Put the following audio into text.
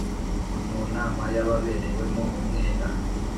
Mu nama y ababerewemo umwenda